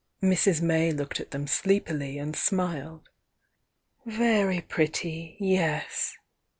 Mrs. May looked at them sleepily and smiled. "Very pretty, yes!"